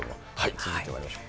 続いてまいりましょう。